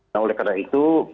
nah oleh karena itu